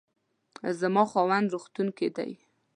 زما خاوند روغتون کې دی